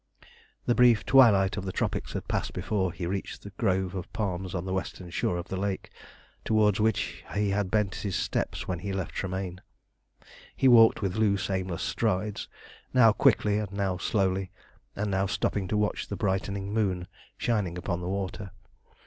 The brief twilight of the tropics had passed before he reached a grove of palms on the western shore of the lake, towards which he had bent his steps when he left Tremayne. He walked with loose, aimless strides, now quickly and now slowly, and now stopping to watch the brightening moon shining upon the water.